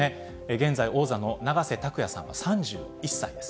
現在王座の永瀬拓矢さんは３１歳です。